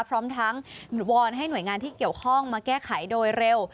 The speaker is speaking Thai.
พร้อมทั้งวอนให้หน่วยงานที่เกี่ยวข้องมาแก้ไขโดยเร็ว